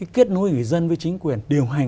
kết nối người dân với chính quyền điều hành